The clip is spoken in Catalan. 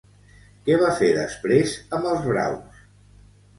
Què va fer després amb els braus?